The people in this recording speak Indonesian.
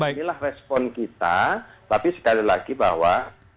inilah respon kita tapi sekali lagi bahwa